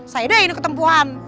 saya deh yang ketempuhan